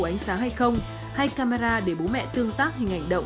có đủ ánh sáng hay không hay camera để bố mẹ tương tác hình ảnh động